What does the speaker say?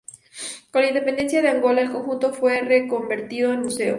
Con la independencia de Angola el conjunto fue reconvertido en museo.